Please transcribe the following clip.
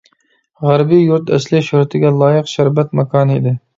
غەربىي يۇرت ئەسلى شۆھرىتىگە لايىق شەربەت ماكانى ئىدى.